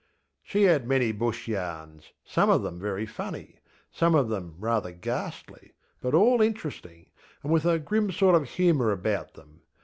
ŌĆÖ She had many Bush yarns, some of them very funny, some of them rather ghastly, but all interesting, and with a grim sort of humour about them.